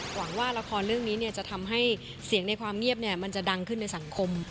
หวังว่าละครเรื่องนี้จะทำให้เสียงในความเงียบมันจะดังขึ้นในสังคม